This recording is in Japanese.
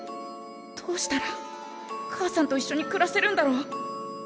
どうしたら母さんといっしょに暮らせるんだろう？